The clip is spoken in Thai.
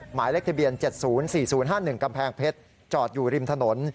หมายเลขทะเบียน๗๐๔๐๕๑กำแพงเพชรจอดอยู่ริมถนน